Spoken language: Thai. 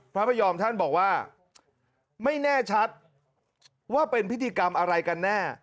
พระพยอมท่านบอกว่าไม่แน่ชัดว่าเป็นพิธีกรรมอะไรกันแน่